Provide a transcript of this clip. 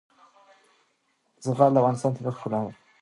زغال د افغانستان د طبیعت د ښکلا برخه ده.